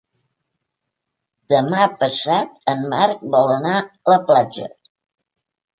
Demà passat en Marc vol anar a la platja.